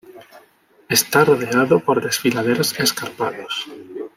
Está rodeado por desfiladeros escarpados.